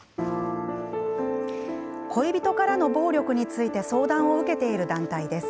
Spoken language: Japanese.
恋人からの暴力について相談を受けている団体です。